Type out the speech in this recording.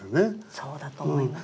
そうだと思います。